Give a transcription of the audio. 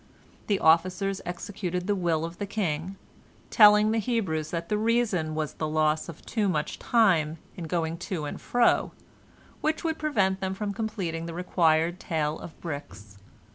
The officers executed the will of the king, telling the Hebrews that the reason was the loss of too much time in going to and fro, which would prevent them from completing the required tale of bricks.